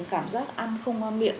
cảm giác ăn không ngon miệng